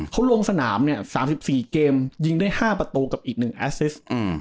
เขาลงสนามเนี้ยสามสิบสี่เกมยิงได้ห้าประโตะกับอีกหนึ่งอิสิท์อืม